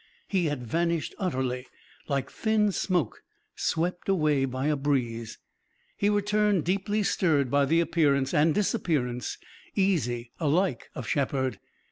He had vanished utterly, like thin smoke swept away by a breeze. He returned deeply stirred by the appearance and disappearance easy, alike of Shepard.